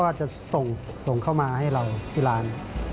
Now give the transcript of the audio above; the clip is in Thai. ว่าจะส่งเข้ามาให้เราที่ร้าน